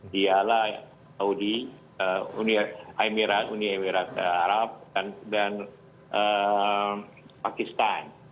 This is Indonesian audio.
dialah saudi uae arab dan pakistan